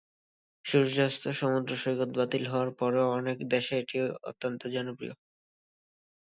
সূর্যাস্ত সমুদ্র সৈকত বাতিল হওয়ার পরেও অনেক দেশে এটি অত্যন্ত জনপ্রিয়।